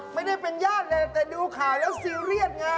ไม่ได้เป็นญาติเลยแต่ดูข่าวแล้วค่อยแน่